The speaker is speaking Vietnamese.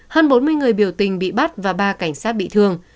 hơn bốn mươi người biểu tình bị bắt và ba cảnh sát bị thương